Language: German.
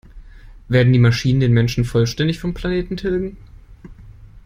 Werden die Maschinen den Menschen vollständig vom Planeten tilgen?